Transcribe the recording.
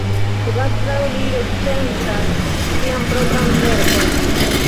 Kvazaŭ li recenzas sian propran verkon!